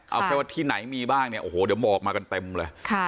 เอาแค่ว่าที่ไหนมีบ้างเนี่ยโอ้โหเดี๋ยวหมอกมากันเต็มเลย